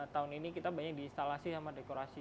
tahun ini kita banyak di instalasi sama dekorasi